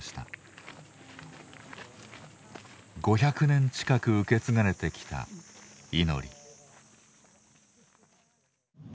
５００年近く受け継がれてきた祈り。